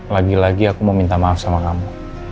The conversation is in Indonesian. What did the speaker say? lagi lagi aku mau minta maaf sama kamu